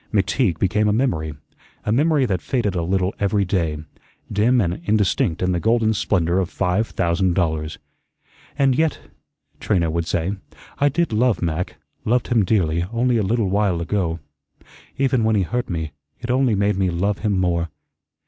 McTeague became a memory a memory that faded a little every day dim and indistinct in the golden splendor of five thousand dollars. "And yet," Trina would say, "I did love Mac, loved him dearly, only a little while ago. Even when he hurt me, it only made me love him more.